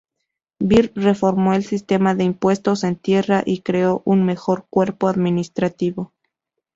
Bir reformó el sistema de impuestos en tierra y creó un mejor cuerpo administrativo.